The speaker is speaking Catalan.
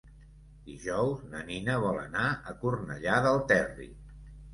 Dijous na Nina vol anar a Cornellà del Terri.